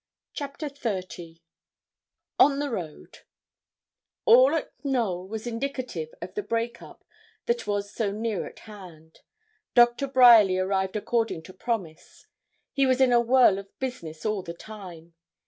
CHAPTER XXX ON THE ROAD All at Knowl was indicative of the break up that was so near at hand. Doctor Bryerly arrived according to promise. He was in a whirl of business all the time.